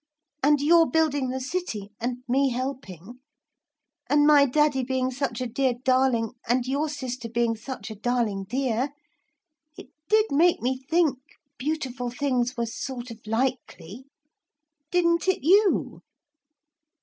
And your building the city and me helping. And my daddy being such a dear darling and your sister being such a darling dear. It did make me think beautiful things were sort of likely. Didn't it you?'